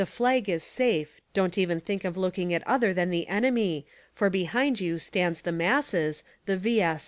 flag is safe, don't even think of looking at other than the enemy, for behind you stands the masses — the V.